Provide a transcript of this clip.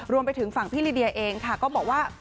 รวมไปถึงฝั่งพี่ลิเดียเองค่ะก็บอกว่า